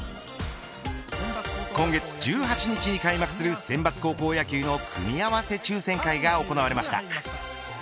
今月１８日に開幕する選抜高校野球の組み合わせ抽選会が行われました。